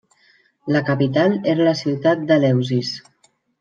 La capital era la ciutat d'Eleusis.